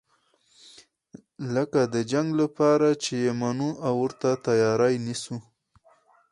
لکه د جنګ لپاره چې یې منو او ورته تیاری نیسو.